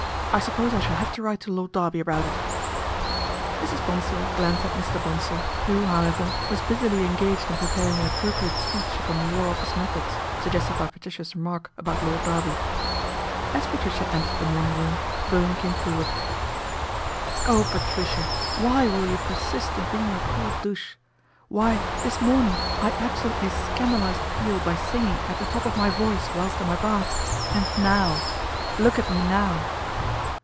I suppose I shall have to write to Lord Derby about it." Mrs. Bonsor glanced at Mr. Bonsor, who, how ever, was busily engaged in preparing an appro priate speech upon War Office methods, suggested by Patricia's remark about Lord Derby. As Patricia entered the morning room, Bowen came forward. " Oh, Patricia ! why will you persist in being a cold douche ? Why this morning I absolutely scandalised Peel by singing at the top of my voice whilst in my bath, and now. Look at me now